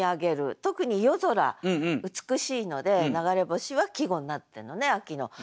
特に夜空美しいので「流れ星」は季語になってんのね秋の。